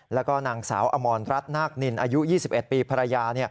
แล้วก็นางสาวอมรรัฐนาคนินอายุ๒๑ปีภรรยา